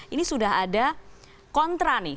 ini sudah ada kontra nih